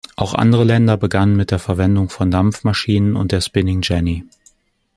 Auch andere Länder begannen mit der Verwendung von Dampfmaschinen und der Spinning Jenny.